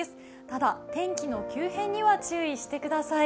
ただ、天気の急変には注意してください。